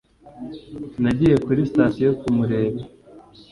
nagiye kuri sitasiyo kumureba